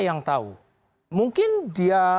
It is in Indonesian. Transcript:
yang tahu mungkin dia